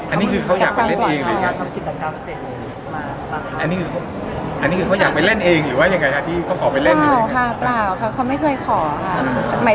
อันนี้คือเขาอยากไปเล่นเองหรือยังไง